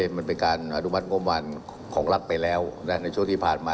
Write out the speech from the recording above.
มันเป็นการหารุบัติโง่มหวานของรัฐไปแล้วในช่วงที่ผ่านมา